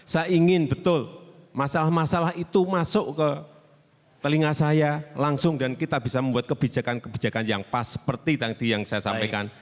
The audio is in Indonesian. saya ingin betul masalah masalah itu masuk ke telinga saya langsung dan kita bisa membuat kebijakan kebijakan yang pas seperti tadi yang saya sampaikan